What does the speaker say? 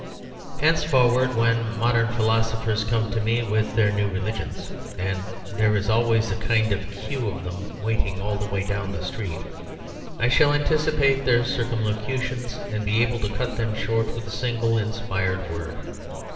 Henceforward, when the modern philosophers come to me with their new religions (and there is always a kind of queue of them waiting all the way down the street) I shall anticipate their circumlocutions and be able to cut them short with a single inspired word.